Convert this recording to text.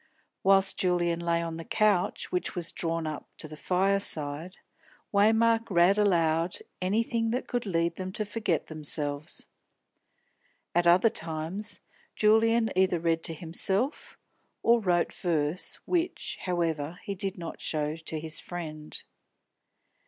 Whilst Julian lay on the couch, which was drawn up to the fireside, Waymark read aloud anything that could lead them to forget themselves. At other times, Julian either read to himself or wrote verse, which, however, he did not show to his friend.